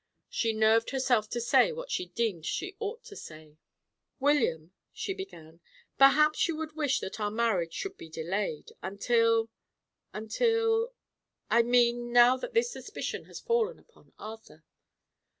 She nerved herself to say what she deemed she ought to say. "William," she began, "perhaps you would wish that our marriage should be delayed until until I mean, now that this suspicion has fallen upon Arthur